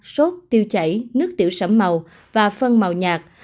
sốt tiêu chảy nước tiểu sẫm màu và phân màu nhạt